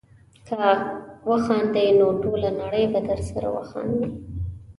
که وخاندې نو ټوله نړۍ به درسره وخاندي.